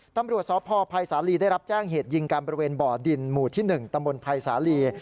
ตำรวจสพภัยสาลีได้รับแจ้งเหตุยิงกันบริเวณบ่อดินหมู่ที่๑ตำบลภัยสาลี